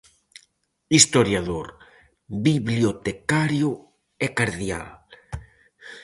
Historiador, bibliotecario e cardeal.